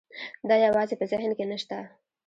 دا یوازې په ذهن کې نه شته.